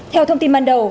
theo thông tin ban đầu